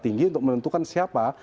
tinggi untuk menentukan siapa